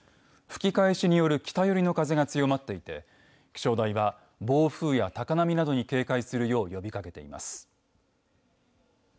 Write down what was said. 吹き返しによる北寄りの風が強まっていて気象台は暴風や高波などに警戒するよう呼びかけています。